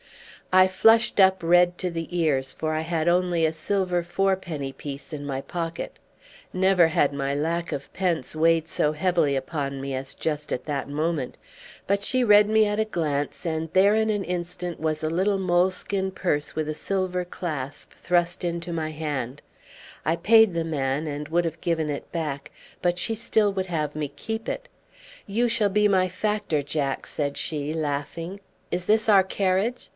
I flushed up red to the ears, for I had only a silver fourpenny piece in my pocket. Never had my lack of pence weighed so heavily upon me as just at that moment. But she read me at a glance, and there in an instant was a little moleskin purse with a silver clasp thrust into my hand. I paid the man, and would have given it back, but she still would have me keep it. "You shall be my factor, Jack," said she, laughing. "Is this our carriage?